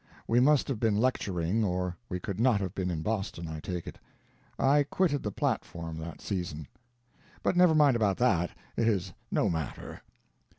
We must have been lecturing, or we could not have been in Boston, I take it. I quitted the platform that season. But never mind about that, it is no matter.